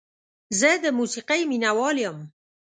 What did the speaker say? زه د موسیقۍ مینه وال یم.